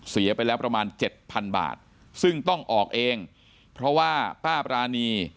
เสียไปแล้วประมาณเจ็ดพันบาทซึ่งต้องออกเองเพราะว่าป้าปรานี